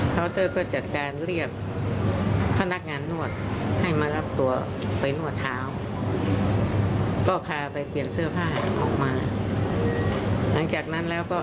ก่อนที่จะนวดนี่ลูกค้าก็แจ้งให้หมอนวด